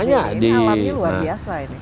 alamnya luar biasa ini